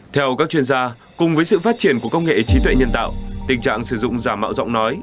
theo các chuyên gia cùng với sự phát triển của công nghệ trí tuệ nhân tạo tình trạng sử dụng giả mạo giọng nói